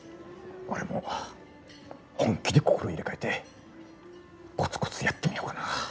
俺も本気で心入れ替えてコツコツやってみようかな。